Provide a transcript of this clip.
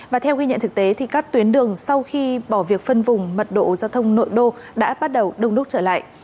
và theo ghi nhận thực tế thì các tuyến đường sau khi bỏ việc phân vùng mật độ giao thông nội đô đã bắt đầu đông đúc trở lại